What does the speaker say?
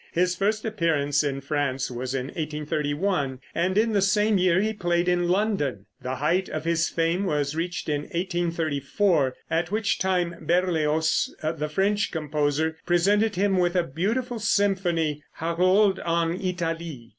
His first appearance in France was in 1831, and in the same year he played in London. The height of his fame was reached in 1834, at which time Berlioz, the French composer, presented him with a beautiful symphony, "Harold en Italie."